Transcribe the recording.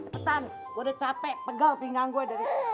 petan gue udah capek pegaw pinggang gue